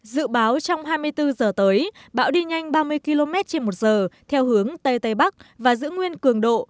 dự báo trong hai mươi bốn giờ tới bão đi nhanh ba mươi km trên một giờ theo hướng tây tây bắc và giữ nguyên cường độ